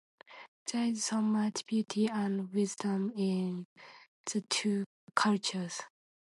There is so much beauty and wisdom in the two cultures.